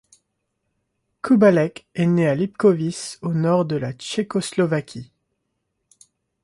Kubálek est né à Libkovice, au Nord de la Tchécoslovaquie.